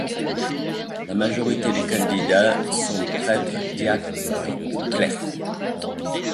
La majorité des candidats sont prêtres, diacres ou clercs.